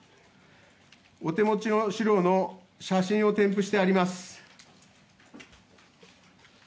お手持ちの資料の写真を添付してあります。